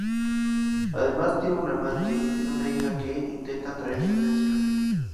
Además tiene una amante, y una hija que intenta atraer su atención.